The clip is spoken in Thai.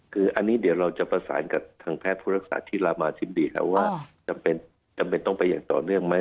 คืออันนี้เดี๋ยวเราจะประสานกับทางแพทย์ผู้รักษาที่รามาธิบดีแล้วว่าจำเป็นต้องไปอย่างต่อเนื่องไหม